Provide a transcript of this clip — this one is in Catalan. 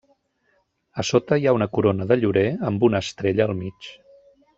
A sota hi ha una corona de llorer amb una estrella al mig.